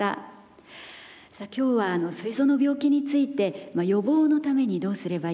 さあ今日はすい臓の病気について予防のためにどうすればよいのか。